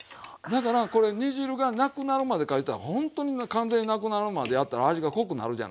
だからこれ煮汁がなくなるまでかいうたらほんとに完全になくなるまでやったら味が濃くなるじゃないですか。